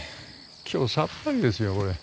今日さっぱりですよこれ。